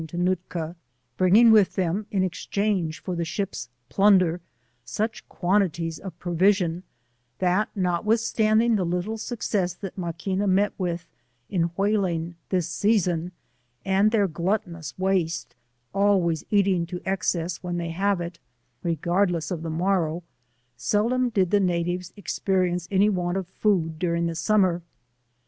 io Noolka, bring ing with them in exchange for the ship's plunder such quantities of provision, that notwithstanding the little success that Maquina met with in whaling this season, apd their gluttonous waste, always 50 eating <o excess when they hare it, regardiesa of the morrow, seldom did the natives experience any want of food during the summer.